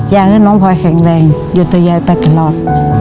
อยากให้น้องพลอยแข็งแรงหยุดตัวยายไปตลอด